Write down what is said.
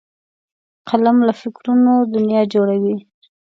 قلم له فکرونو دنیا جوړوي